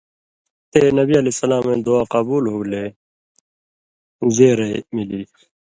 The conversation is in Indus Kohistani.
تے نبی علیہ سلامَیں دُعا قبُول ہُوگلے زېرئ مِلِلیۡ۔